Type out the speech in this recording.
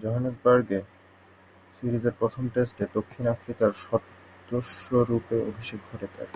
জোহেন্সবার্গে সিরিজের প্রথম টেস্টে দক্ষিণ আফ্রিকার সদস্যরূপে অভিষেক ঘটে তার।